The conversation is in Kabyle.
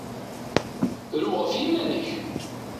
Ru ɣef yiman-ik!